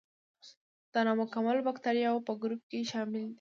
د نامکمل باکتریاوو په ګروپ کې شامل دي.